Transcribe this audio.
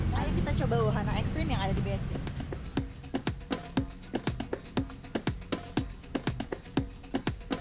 ayo kita coba wahana ekstrim yang ada di bsd